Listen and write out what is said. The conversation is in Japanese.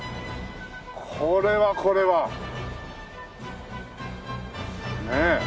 これはこれは。ねえ。